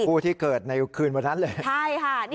คู่ที่เกิดในคืนวันนั้นเลย